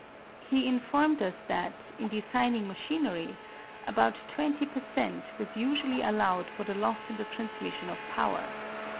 He informed us that, in designing machinery, about 20 per cent. was usually allowed for the loss in the transmission of power.